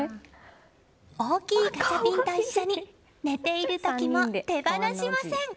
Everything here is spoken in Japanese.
大きいガチャピンと一緒に寝ている時も手放しません。